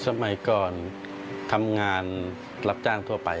สมัยก่อนทำงานรับจ้างทั่วไป